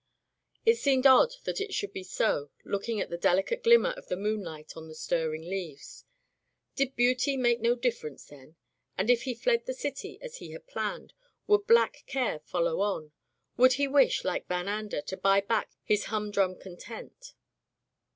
It seemed odd that it should be so, looking at the delicate glimmer of the moonlight on the stirring leaves. Did beauty make no difference, then ? And if he fled the city, as he had planned, would Black Care follow on ? Would he wish, like Van Ander, to buy back his humdrum content